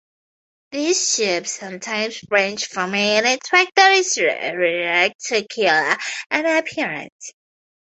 These tubes sometimes branch forming a network that is reticular in appearance.